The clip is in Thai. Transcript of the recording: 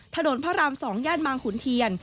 ถนนพระราม๒ย่านบางขุนเทียน